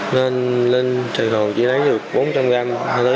nên lên sài gòn chỉ lấy được bốn trăm linh gram